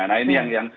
nah ini yang